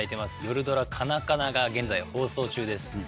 夜ドラ「カナカナ」が現在放送中です。